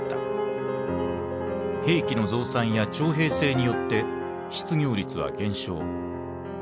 兵器の増産や徴兵制によって失業率は減少。